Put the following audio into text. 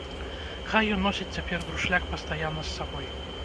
Хай ён носіць цяпер друшляк пастаянна з сабой.